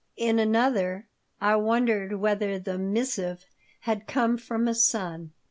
In another I wondered whether the missive had come from a son.